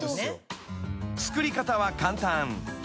［作り方は簡単］